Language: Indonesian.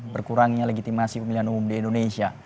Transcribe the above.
berkurangnya legitimasi pemilihan umum di indonesia